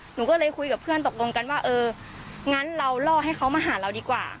หนูก็เลยคุยกับเพื่อนตกลงกันว่าเอองั้นเราล่อให้เขามาหาเราดีกว่า